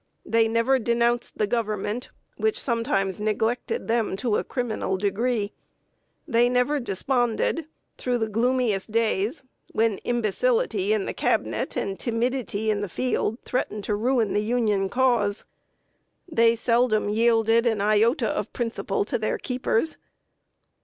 They never denounced the Government, which sometimes neglected them to a criminal degree. They never desponded, through the gloomiest days, when imbecility in the Cabinet and timidity in the field threatened to ruin the Union Cause. They seldom yielded an iota of principle to their keepers.